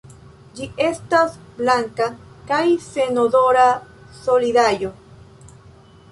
Ĝi estas blanka kaj senodora solidaĵo.